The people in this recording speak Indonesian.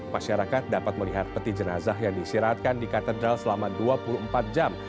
masyarakat dapat melihat peti jenazah yang disiratkan di katedral selama dua puluh empat jam